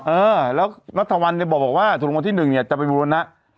อ๋อเออแล้วรัฐวันเลยบอกว่าธุรกันที่หนึ่งเนี่ยจะไปบูรณะ